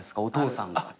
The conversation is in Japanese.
お父さんが。